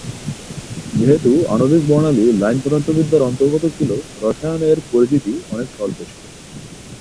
যেহেতু আণবিক বর্ণালী লাইন পদার্থবিদ্যার অন্তর্গত ছিল, রসায়নে এর পরিচিতি অনেক স্বল্প ছিল।